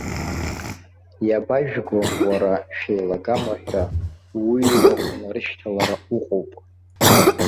Иабажәго, уара, шәеилагама ҳәа уҩуа унарышьҭалара уҟоуп!